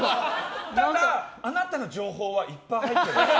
ただ、あなたの情報はいっぱい入ってる。